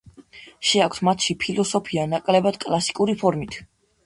შეაქვს მათში ფილოსოფია ნაკლებად კლასიკური ფორმით.